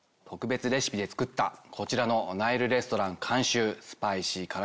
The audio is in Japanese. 特別レシピで作ったこちらのナイルレストラン監修「スパイシー！